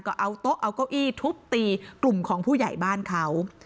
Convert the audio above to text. ก็เอาโต๊ะเอาเก้าอี้ทุบตีกลุ่มของผู้ใหญ่บ้านเขา